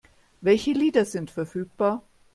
Welche Lieder sind verfügbar?